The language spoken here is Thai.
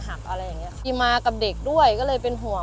สวัสดีครับที่ได้รับความรักของคุณ